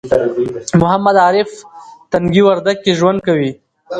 محمد عارف تنگي وردک کې ژوند کوي